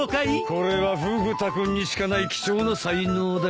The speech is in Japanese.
これはフグ田君にしかない貴重な才能だよ。